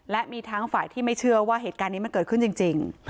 และมีทั้งฝ่ายที่ไม่เชื่อว่าเหตุการณ์นี้มันเกิดขึ้นจริง